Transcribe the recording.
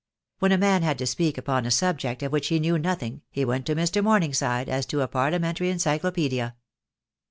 When a man had to speak upon a subject of which he knew no thing, he went to Mr. Morningside as to a Parliamentary Encyclopaedia.